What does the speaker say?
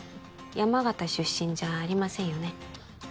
山形出身じゃありませんよね？